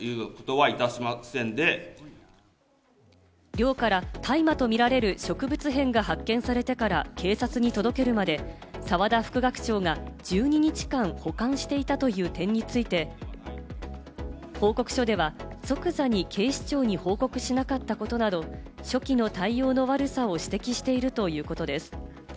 寮から大麻とみられる植物片が発見されてから警察に届けるまで、澤田副学長が１２日間保管していたという点について、報告書では即座に警視庁に報告しなかったことなど、初期の対応の悪さを指摘しているということです。